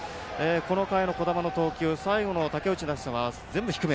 この回の小玉の投球最後の竹内に対しては全部低め。